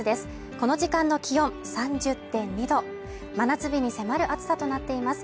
この時間の気温３０．２℃真夏日に迫る暑さとなっています。